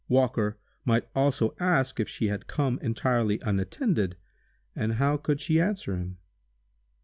Walker might also ask if she had come entirely unattended, and how could she answer him?